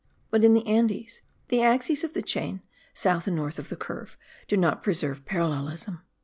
but in the Andes, the axes of the chain, south and north of the curve, do not preserve parallelism.